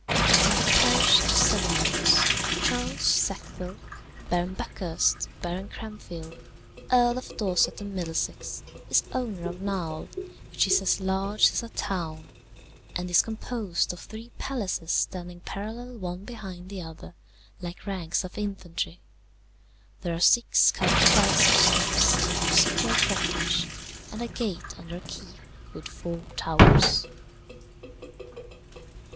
"In the parish of Sevenoaks, Charles Sackville, Baron Buckhurst, Baron Cranfield, Earl of Dorset and Middlesex, is owner of Knowle, which is as large as a town and is composed of three palaces standing parallel one behind the other, like ranks of infantry. There are six covered flights of steps on the principal frontage, and a gate under a keep with four towers.